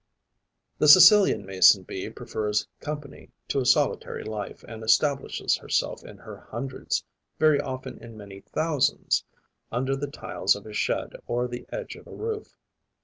The Sicilian Mason bee prefers company to a solitary life and establishes herself in her hundreds, very often in many thousands, under the tiles of a shed or the edge of a roof.